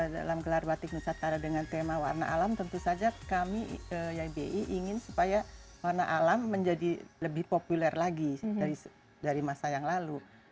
dalam gelar batik nusantara dengan tema warna alam tentu saja kami ybi ingin supaya warna alam menjadi lebih populer lagi dari masa yang lalu